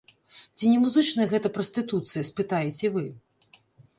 Ці не музычная гэта прастытуцыя, спытаеце вы?